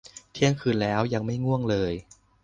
เที่ยงคืนแล้ว ยังไม่ง่วงเลย